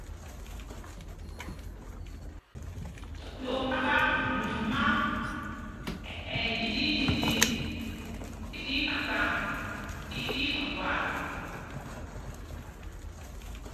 Tombá mumá ɛ ndíndil tí kpaŋg tí gwal.